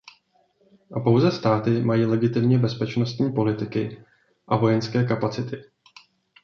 A pouze státy mají legitimně bezpečnostní politiky a vojenské kapacity.